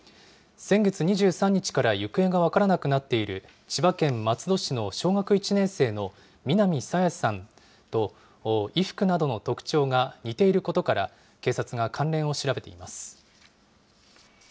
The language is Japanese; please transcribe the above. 先月２３日から行方が分からなくなっている千葉県松戸市の小学１年生の南朝芽さんと衣服などの特徴が似ていることから、警察が関連を調べています。